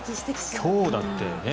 今日だってねえ？